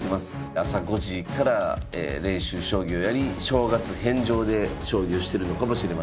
朝５時から練習将棋をやり正月返上で将棋をしてるのかもしれません。